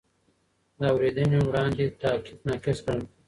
د اورېدنې وړاندې تحقیق ناقص ګڼل کېږي.